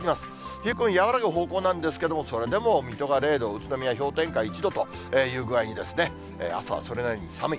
冷え込み和らぐ方向なんですけど、それでも、水戸が０度、宇都宮氷点下１度という具合にですね、朝はそれなりに寒い。